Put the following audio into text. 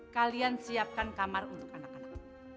kalian siapkan kamar untuk anak anak